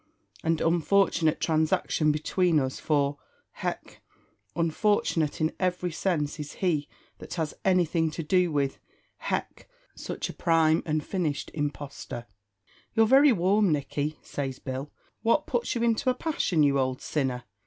and unfortunate transaction between us; for (hech!) unfortunate, in every sense, is he that has anything to do with (hech!) such a prime and finished impostor." "You're very warm, Nicky," says Bill; "what puts you into a passion, you old sinner?